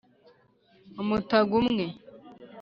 Umutaga umwe